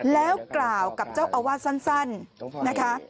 แล้วกล่าวกับเจ้าอาวาสสั้นนะคะ